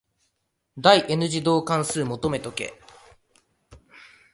第 n 次導関数求めとけ。